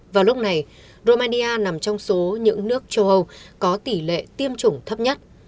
vào lúc này romania nằm trong số những nước châu âu có tỷ lệ tiêm chủng thấp nhất